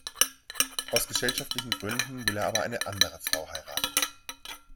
Aus gesellschaftlichen Gründen will er aber eine andere Frau heiraten.